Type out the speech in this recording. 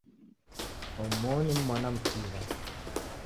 Omoni ni mwana mkiw'a.